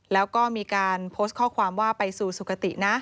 แล้วก็มีการโพสต์ข้อความว่าไปสู่สุขตินะ